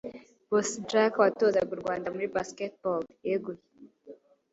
bosnjak watozaga u rwanda muri basketball yeguye